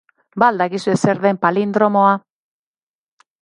Ba al dakizue zer den palindromoa?